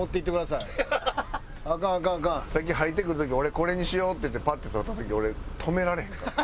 さっき入ってくる時「俺これにしよう」って言ってパッて取った時俺止められへんかった。